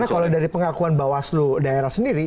karena kalau dari pengakuan bawah selu daerah sendiri